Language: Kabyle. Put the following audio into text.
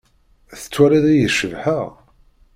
Tettwaliḍ-iyi cebḥeɣ?